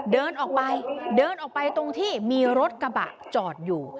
เดินออกไปเดินออกไปตรงที่มีรถกระบะจอดอยู่